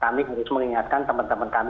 kami harus mengingatkan teman teman kami